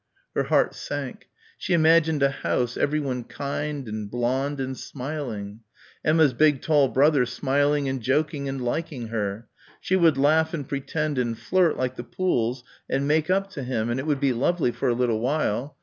Her heart sank.... She imagined a house, everyone kind and blond and smiling. Emma's big tall brother smiling and joking and liking her. She would laugh and pretend and flirt like the Pooles and make up to him and it would be lovely for a little while.